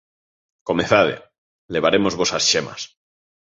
Comezade. Levarémosvos as xemas.